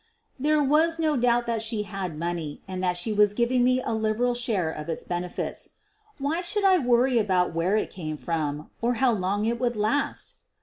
There was no doubt that she had money and that she was giving me a liberal share of its benefits — why should I worry about where it came from or how long it would last?